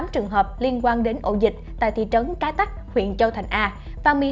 hai mươi tám trường hợp liên quan đến ổ dịch tại thị trấn cái tắc huyện châu thành a